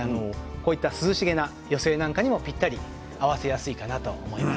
涼しげな寄せ植えにもぴったり合わせやすいかなと思います。